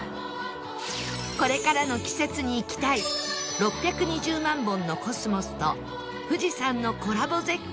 これからの季節に行きたい６２０万本のコスモスと富士山のコラボ絶景